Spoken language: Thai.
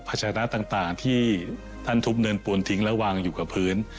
ชนะต่างที่ท่านทุบเนินปูนทิ้งและวางอยู่กับพื้น